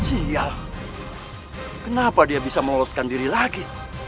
iya kenapa dia bisa meloloskan diri lagi